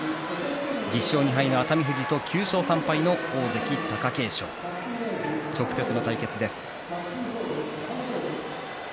１０勝２敗の熱海富士と９勝３敗の大関貴景勝直接の対決です。